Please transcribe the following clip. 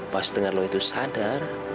pas dengar lo itu sadar